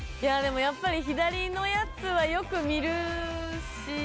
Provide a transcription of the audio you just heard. でもやっぱり左のやつはよく見るし。